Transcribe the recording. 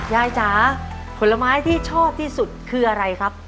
จ๋าผลไม้ที่ชอบที่สุดคืออะไรครับ